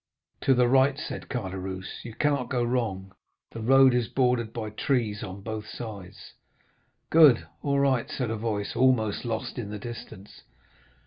"'To the right,' said Caderousse. 'You cannot go wrong—the road is bordered by trees on both sides.' "'Good—all right,' said a voice almost lost in the distance.